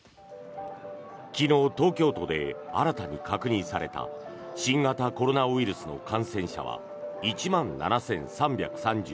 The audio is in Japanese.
昨日、東京都で新たに確認された新型コロナウイルスの感染者は１万７３３１人。